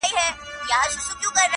o د بنو څښتنه په ارامه نه وي!